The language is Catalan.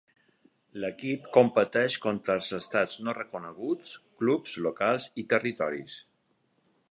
L'equip competeix contra els estats no reconeguts, clubs locals, i territoris.